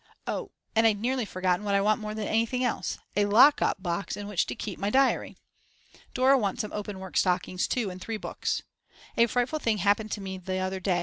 Oh, and I'd nearly forgotten what I want more than anything else, a lock up box in which to keep my diary. Dora wants some openwork stockings too and three books. A frightful thing happened to me the other day.